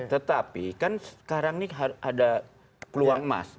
tetapi kan sekarang ini ada peluang emas